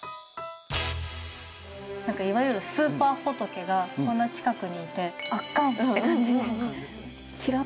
いわゆるスーパー仏がこんな近くにいて「圧巻！」って感じです。